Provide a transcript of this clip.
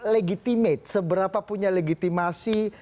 legitimate seberapa punya legitimasi